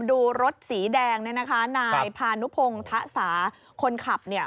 ดูรถสีแดงนายภาณุพงธสาคนขับเนี่ย